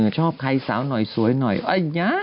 ชอบใครเสาหน่อยสวยหน่อยอ่ะย๊า